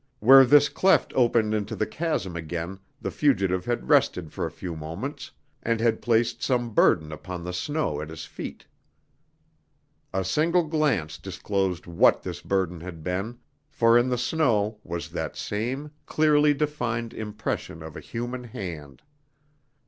Where this cleft opened into the chasm again the fugitive had rested for a few moments, and had placed some burden upon the snow at his feet. A single glance disclosed what this burden had been, for in the snow was that same clearly defined impression of a human hand!